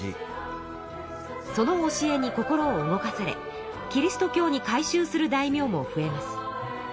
その教えに心を動かされキリスト教に改宗する大名も増えます。